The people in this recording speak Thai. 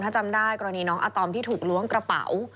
ถ้าจำได้กรณีน้องอาตอมที่ถูกล้วงกระเป๋า